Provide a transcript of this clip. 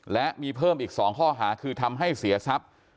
และมีเพิ่มอีก๒ข้อหาคือทำให้เสียทรัพย์